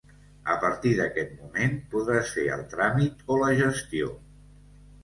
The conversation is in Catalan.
A partir d'aquest moment, podràs fer el tràmit o la gestió.